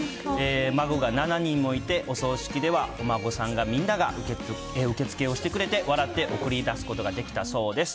孫が７人もいて、お葬式ではお孫さんが、みんなが受付をしてくれて、笑って送り出すことができたそうです。